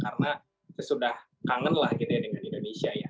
karena saya sudah kangenlah dengan indonesia ya